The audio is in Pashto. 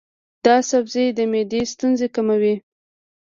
دا سبزی د معدې ستونزې کموي.